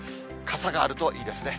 傘があるといいですね。